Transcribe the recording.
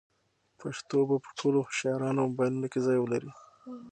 پښتو به په ټولو هوښیارانو موبایلونو کې ځای ولري.